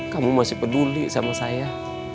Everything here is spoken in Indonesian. kamu masih peduli sama saya